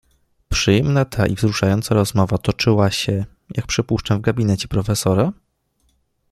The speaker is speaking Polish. "Przyjemna ta i wzruszająca rozmowa toczyła się, jak przypuszczam w gabinecie profesora?"